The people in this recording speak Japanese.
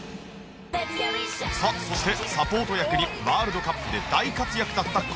さあそしてサポート役にワールドカップで大活躍だったこの人本田圭佑さんです